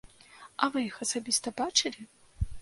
А вы іх асабіста бачылі?